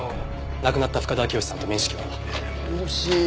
亡くなった深田明良さんと面識は？